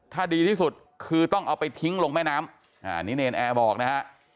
ถ้าดีที่สุดคือต้องเอาไปทิ้งลงแม่น้ำอันนี้เนรนแอร์บอกนะฮะ